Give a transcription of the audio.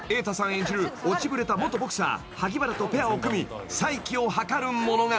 演じる落ちぶれた元ボクサー萩原とペアを組み再起を図る物語］